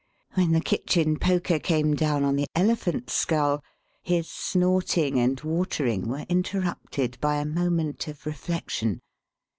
When the kitchen poker came down on the elephant's skull his snorting and watering were interrupted by a moment of reflection.